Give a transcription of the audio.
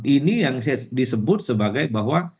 ini yang saya disebut sebagai bahwa